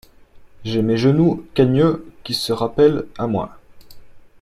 j’ai mes genoux cagneux qui se rappellent à moi.